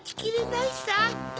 ないさ。